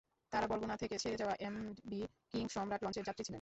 তাঁরা বরগুনা থেকে ছেড়ে যাওয়া এমভি কিং সম্রাট লঞ্চের যাত্রী ছিলেন।